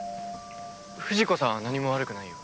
藤子さんは何も悪くないよ。